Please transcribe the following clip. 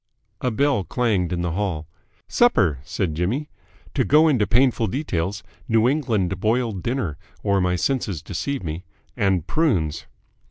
A bell clanged in the hall. "Supper!" said Jimmy. "To go into painful details, New England boiled dinner, or my senses deceive me, and prunes."